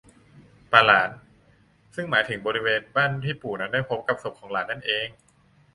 ปะหลาน ซึ่งหมายถึงบริเวณบ้านที่ปู่นั้นได้พบกับศพของหลานนั่นเอง